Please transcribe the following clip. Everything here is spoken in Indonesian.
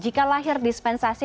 jika lahir dispensasi